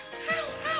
はい！